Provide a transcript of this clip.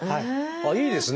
ああいいですね。